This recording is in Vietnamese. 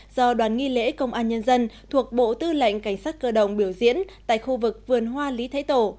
do đoàn nghi lễ công an nhân dân thuộc bộ tư lệnh cảnh sát cơ động biểu diễn tại khu vực vườn hoa lý thái tổ